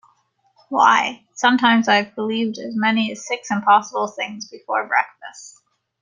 Why, sometimes I’ve believed as many as six impossible things before breakfast.